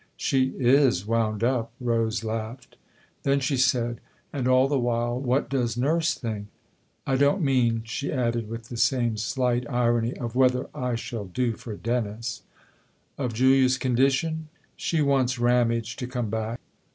" She is wound up !" Rose laughed. Then she said :" And all the while what does Nurse think ? I don't mean," she added with the same slight irony, " of whether I shall do for Dennis." 50 THE OTHER HOUSE "Of Julia's condition? She wants Ramage to come back."